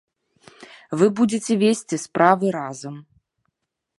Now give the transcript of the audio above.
Вы будзеце весці справы разам.